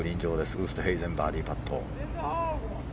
ウーストヘイゼンバーディーパット。